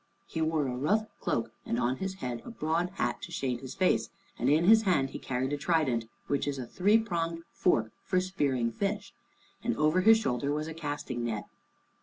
He wore a rough cloak, and on his head a broad hat to shade his face, and in his hand he carried a trident, which is a three pronged fork for spearing fish, and over his shoulder was a casting net.